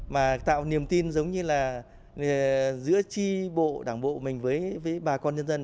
mà tạo niềm tin giống như là giữa tri bộ đảng bộ mình với ba con dân dân